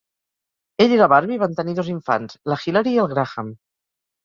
Ell i la Barbie van tenir dos infants: la Hilary i el Graham.